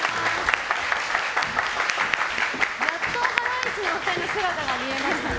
やっとハライチのお二人の姿が見えました。